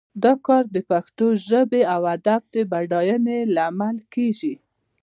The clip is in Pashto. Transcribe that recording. دا کار د پښتو ژبې او ادب د بډاینې لامل کیږي